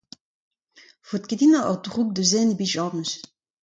Ne faot ket din ober droug da zen ebet james.